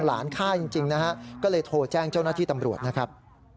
ฆ่าจริงนะฮะก็เลยโทรแจ้งเจ้าหน้าที่ตำรวจนะครับ